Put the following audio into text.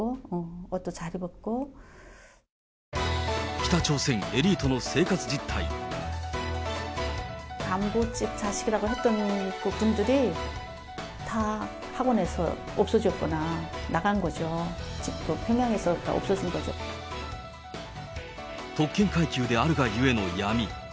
北朝鮮エリートの生活実態。特権階級であるがゆえの闇。